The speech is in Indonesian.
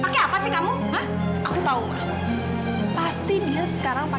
lepasin kalina itu udah kelewatan ya